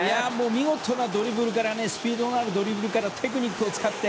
見事なドリブルからスピードのあるドリブルからテクニックを使って。